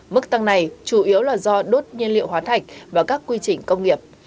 mức tăng này chủ yếu là do đốt nhiên liệu hóa thạch và các quy trình công nghiệp